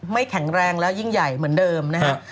แข็งแรงแล้วยิ่งใหญ่เหมือนเดิมนะครับ